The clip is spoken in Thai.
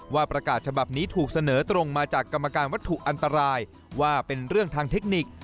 ประกาศฉบับนี้ถูกเสนอตรงมาจากกรรมการวัตถุอันตรายว่าเป็นเรื่องทางเทคนิค